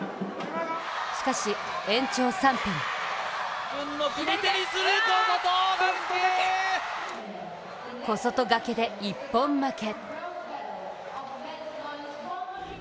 しかし延長３分小外がけで一本負け。